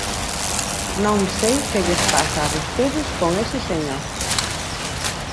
Non sei que lles pasa a vostedes con ese señor.